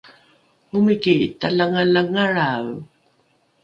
omiki talangalangalrae